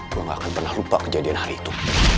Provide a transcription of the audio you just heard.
gue gak akan pernah lupa kejadian hari itu